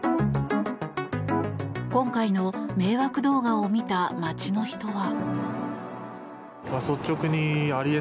今回の迷惑動画を見た街の人は。